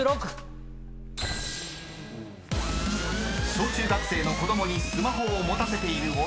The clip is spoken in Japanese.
［小中学生の子供にスマホを持たせている親］